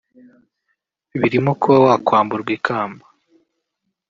birimo kuba wakwamburwa ikamba